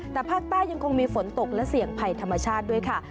แต่ภาคใต้ยังคงมีฝนตกและเสี่ยงภัยธรรมชาติด้วยค่ะ